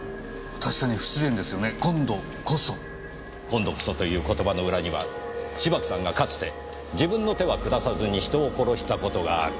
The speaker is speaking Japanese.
「今度こそ」という言葉の裏には芝木さんがかつて自分の手は下さずに人を殺した事がある。